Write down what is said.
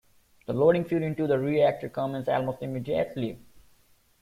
The loading fuel into the reactor commenced almost immediately.